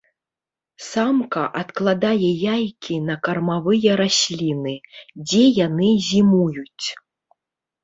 Самка адкладае яйкі на кармавыя расліны, дзе яны зімуюць.